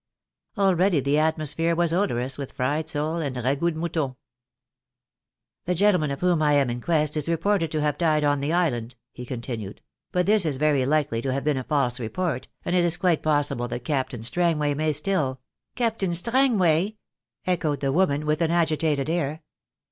Already the atmosphere was odorous with fried sole and ragout de in out on. "The gentleman of whom I am in quest is reported to have died on the Island,*' he continued; '"but this is very likely to have been a false report, and it is quite possible that Captain Strangway may still " "Captain Strangway," echoed the woman, with an agitated air.